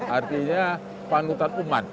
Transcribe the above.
artinya panutan umat